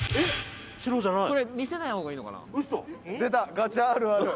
ガチャあるある。